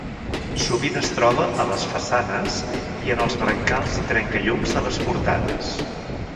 Sovint es troba a les façanes i en els brancals i trencallums de les portades.